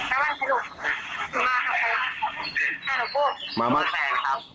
มาบ้านใครลูกมาครับผมมาบ้านแฟนครับ